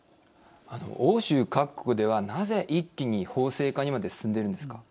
欧州各国ではなぜ一気に法制化にまで進んでいるんですか。